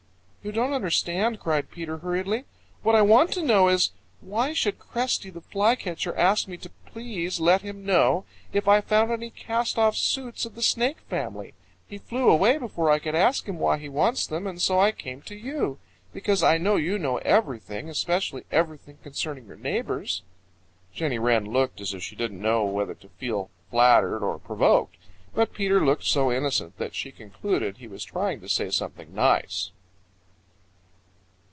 "You don't understand," cried Peter hurriedly. "What I want to know is, why should Cresty the Flycatcher ask me to please let him know if I found any cast off suits of the Snake family? He flew away before I could ask him why he wants them, and so I came to you, because I know you know everything, especially everything concerning your neighbors." Jenny Wren looked as if she didn't know whether to feel flattered or provoked. But Peter looked so innocent that she concluded he was trying to say something nice.